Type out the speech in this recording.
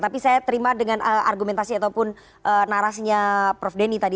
tapi saya terima dengan argumentasi ataupun narasinya prof denny tadi